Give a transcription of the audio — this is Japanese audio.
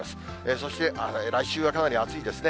そして来週はかなり暑いですね。